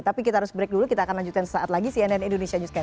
tapi kita harus break dulu kita akan lanjutkan sesaat lagi cnn indonesia newscast